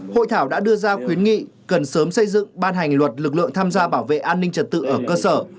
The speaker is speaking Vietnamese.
hội thảo đã đưa ra khuyến nghị cần sớm xây dựng ban hành luật lực lượng tham gia bảo vệ an ninh trật tự ở cơ sở